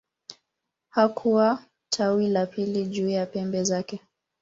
Hakuna tawi la pili juu ya pembe zake.